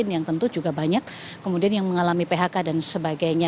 yang tentu juga banyak kemudian yang mengalami phk dan sebagainya